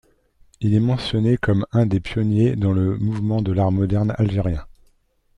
Il est mentionné comme un des pionniers dans le mouvement de l'art moderne algérien.